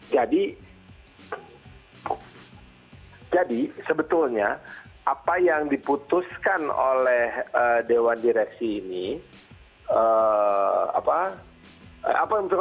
jadi jadi sebetulnya apa yang diputuskan oleh dewan direksi ini apa yang diputuskan